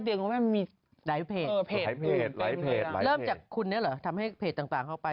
เริ่มจากคุณเนี่ยเหรอทำให้เพจต่างเข้าไป